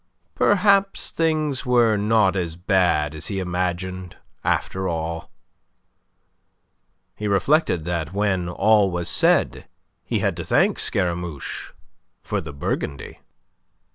Perhaps things were not as bad as he imagined, after all. He reflected that, when all was said, he had to thank Scaramouche for the Burgundy.